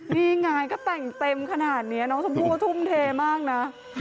นี่งานที่จะแต่งเต็มขนาดนี้สมผู้พ่อทุ่มเทมากนะ